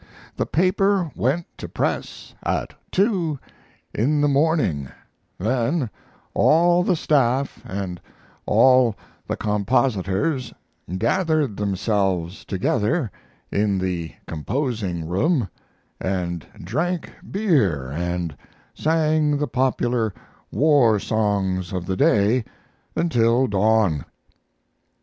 ["The paper went to press at two in the morning, then all the staff and all the compositors gathered themselves together in the composing room and drank beer and sang the popular war songs of the day until dawn."